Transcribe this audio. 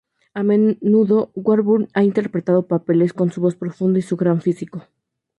A menudo Warburton ha interpretado papeles con su voz profunda y su gran físico.